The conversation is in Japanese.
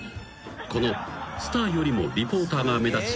［このスターよりもリポーターが目立ち